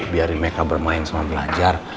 biarin mereka bermain sama belajar